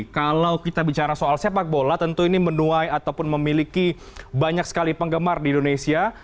kalau kita bicara soal sepak bola tentu ini menuai ataupun memiliki banyak sekali penggemar di indonesia